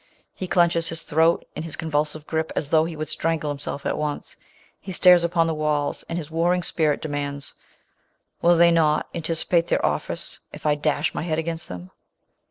He clenches his throat in his convulsive gripe, as though he would strangle himself at once. He stares upon the walls, and his war ring spirit demands, " Will they not anticipate their office if I dash my head against them